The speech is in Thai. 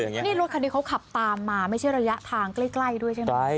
นี่รถคันนี้เขาขับตามมาไม่ใช่ระยะทางใกล้ด้วยใช่ไหม